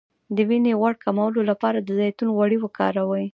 د وینې غوړ کمولو لپاره د زیتون غوړي وکاروئ